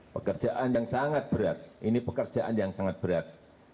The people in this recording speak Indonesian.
pekerjaan yang sangat berat ini pekerjaan yang sangat berat